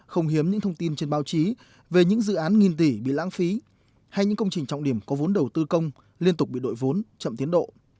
không hiếm những thông tin trên báo chí về những dự án nghìn tỷ bị lãng phí hay những công trình trọng điểm có vốn đầu tư công liên tục bị đội vốn chậm tiến độ